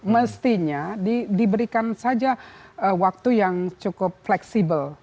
mestinya diberikan saja waktu yang cukup fleksibel